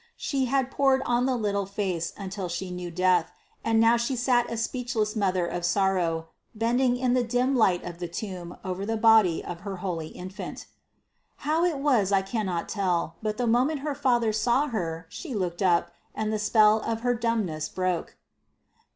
She had pored on the little face until she knew death, and now she sat a speechless mother of sorrow, bending in the dim light of the tomb over the body of her holy infant. How it was I cannot tell, but the moment her father saw her she looked up, and the spell of her dumbness broke.